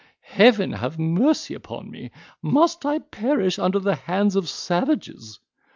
Heaven have mercy upon me! must I perish under the hands of savages?